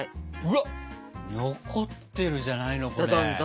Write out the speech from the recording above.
わっ残ってるじゃないのこれ。